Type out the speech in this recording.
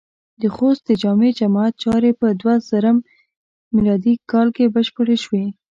د خوست د جامع جماعت چارې په دوهزرم م کال کې بشپړې شوې.